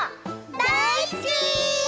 だいすき！